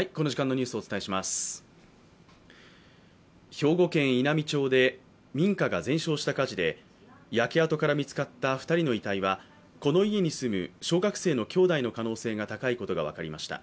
兵庫県稲美町で民家が全焼した火事で焼け跡から見つかった２人の遺体はこの家に住む小学生の兄弟の可能性が高いことが分かりました。